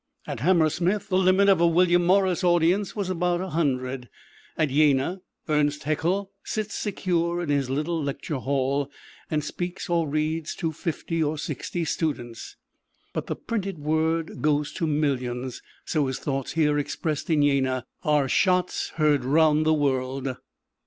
At Hammersmith, the limit of a William Morris audience was about a hundred. At Jena, Ernst Haeckel sits secure in his little lecture hall, and speaks or reads to fifty or sixty students, but the printed word goes to millions, so his thoughts here expressed in Jena are shots heard round the world.